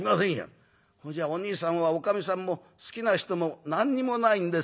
『それじゃあおにいさんはおかみさんも好きな人も何にもないんですか？』